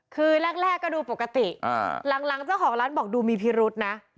คือแรกก็ดูปกติหลังเจ้าของร้านบอกดูมีพิรุษนะ